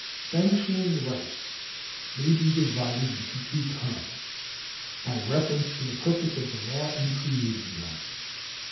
Sanctioning rights may be divided into two kinds by refer ence to the purpose of the law in creating them.